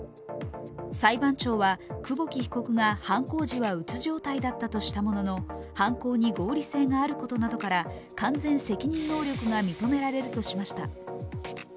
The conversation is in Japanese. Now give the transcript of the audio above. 裁判長は、久保木被告が犯行時はうつ状態だったとしたものの、犯行に合理性があることなどから完全責任能力が認められるとしました。